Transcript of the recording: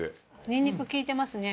にんにく利いてますね。